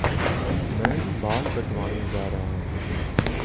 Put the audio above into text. میں بال کٹوانے جا رہا ہوں